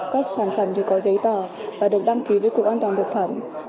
các sản phẩm có giấy tờ và được đăng ký với cục an toàn thực phẩm